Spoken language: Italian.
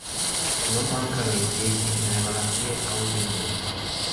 Non mancano impieghi nelle malattie autoimmuni.